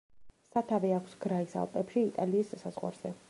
სათავე აქვს გრაის ალპებში, იტალიის საზღვარზე.